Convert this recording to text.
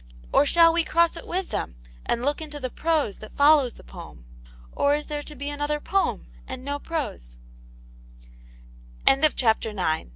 Or shall we cross it with them and look into the prose that follows the poem ; or is there to be another poem and no pr